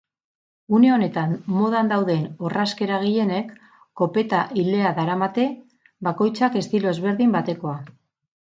Une honetan modan dauden orrazkera gehienek kopeta-ilea daramate, bakoitzak estilo ezberdin batekoa.